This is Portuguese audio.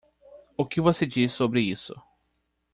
O que você diz sobre isso?